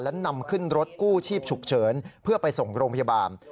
และนำขึ้นรถกู้ชีพฉุกเฉินเพื่อไปส่งโรงพยาบาล